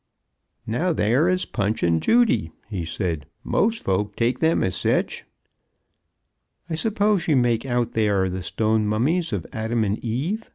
"Now there is Punch and Judy," he said; "most folks take them as sech." "I suppose you make out they are the stone mummies of Adam and Eve?"